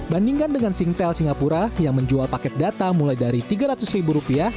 bandingkan dengan singtel singapura yang menjual paket data mulai dari rp tiga ratus ribu rupiah